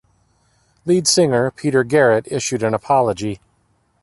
Lead singer, Peter Garrett issued an apology.